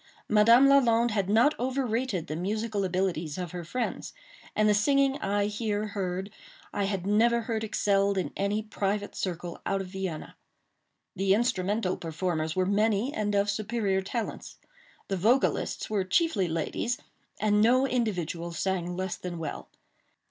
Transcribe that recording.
Madame Lalande had not overrated the musical abilities of her friends; and the singing I here heard I had never heard excelled in any private circle out of Vienna. The instrumental performers were many and of superior talents. The vocalists were chiefly ladies, and no individual sang less than well.